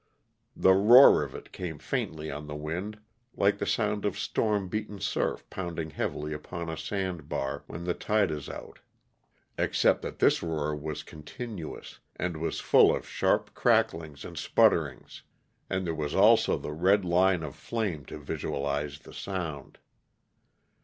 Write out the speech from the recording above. The roar of it came faintly on the wind, like the sound of storm beaten surf pounding heavily upon a sand bar when the tide is out, except that this roar was continuous, and was full of sharp cracklings and sputterings; and there was also the red line of flame to visualize the sound.